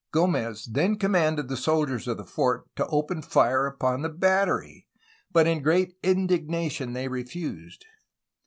G6mez then commanded the soldiers of the fort to open fire upon the battery, but in great indigna tion they refused.